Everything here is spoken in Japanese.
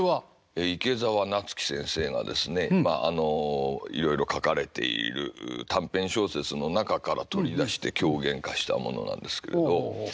池澤夏樹先生がですねまあいろいろ書かれている短編小説の中から取り出して狂言化したものなんですけれど。